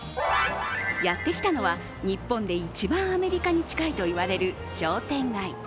やってきたのは日本で一番アメリカに近いと言われる商店街。